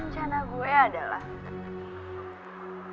rencana gue adalah